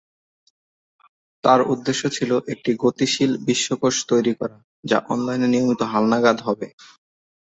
তার উদ্দেশ্য ছিল একটি গতিশীল বিশ্বকোষ তৈরি করা যা অনলাইনে নিয়মিত হালনাগাদ হবে।